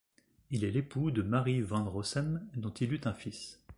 Il est l'époux de Mary Van Rossem, dont il eut un fils.